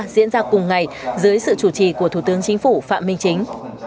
diễn ra cùng ngày dưới sự chủ trì của thủ tướng chính phủ phạm minh chính